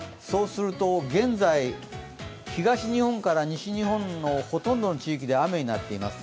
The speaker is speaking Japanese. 現在、東日本から西日本のほとんどの地域で雨になっています。